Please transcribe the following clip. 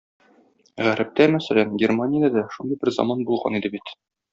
Гарептә, мәсәлән, Германиядә дә шундый бер заман булган иде бит!